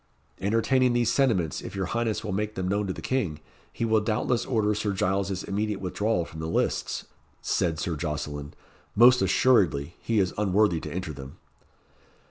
"Entertaining these sentiments, if your highness will make them known to the King, he will doubtless order Sir Giles's immediate withdrawal from the lists," said Sir Jocelyn. "Most assuredly he is unworthy to enter them."